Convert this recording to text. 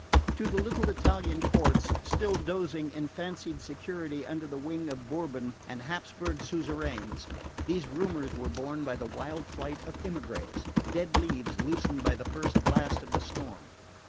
To the little Italian courts, still dozing in fancied security under the wing of Bourbon and Hapsburg suzerains, these rumours were borne by the wild flight of emigres dead leaves loosened by the first blast of the storm.